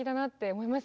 思います。